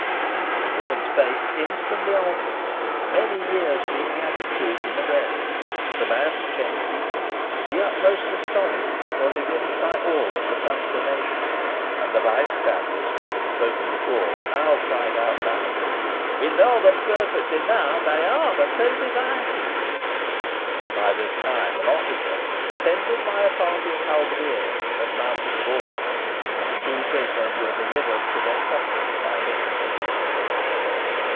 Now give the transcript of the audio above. The woman's face instantly altered. Many years being added to it in a breath. The man changed equally. The utmost astonishment was evinced by all at the transformation, and the bystanders who had spoken before, now cried out loudly "We know them perfectly now. They are the two Devices." By this time an officer, attended by a party of halberdiers, had mounted the boards, and the two prisoners were delivered to their custody by Nicholas.